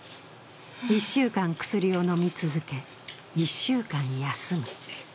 １週間、薬を飲み続け１週間、休む。